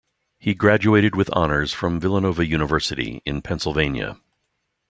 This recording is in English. He graduated with honors from Villanova University in Pennsylvania.